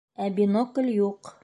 Ә бинокль юҡ.